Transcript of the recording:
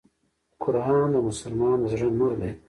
قرآن د مسلمان د زړه نور دی .